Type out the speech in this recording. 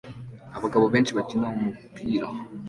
abagabo benshi bakina umupira